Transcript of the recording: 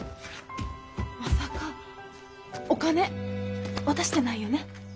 まさかお金渡してないよね？